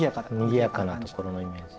にぎやかなところのイメージ。